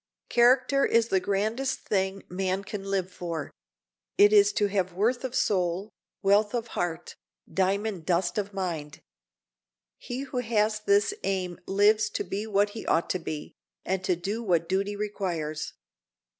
Character is the grandest thing man can live for; it is to have worth of soul, wealth of heart, diamond dust of mind. He who has this aim lives to be what he ought to be, and to do what duty requires.